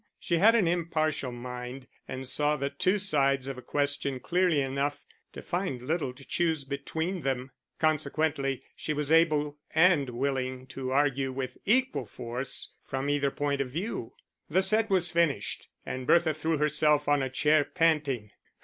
She had an impartial mind and saw the two sides of a question clearly enough to find little to choose between them; consequently she was able and willing to argue with equal force from either point of view. The set was finished, and Bertha threw herself on a chair, panting.